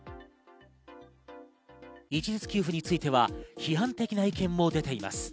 一律給付については批判的な意見も出ています。